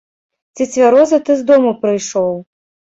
Ці цвярозы ты з дому прыйшоў?